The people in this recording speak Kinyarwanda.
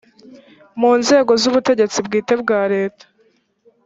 mu nzego z ubutegetsi bwite bwa leta